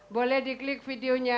boleh diklik videonya